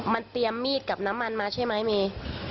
มันเตรียมมีดกับน้ำมันมาใช่ไหมเมย์